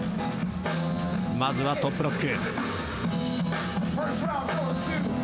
まずはトップロック。